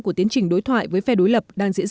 của tiến trình đối thoại với phe đối lập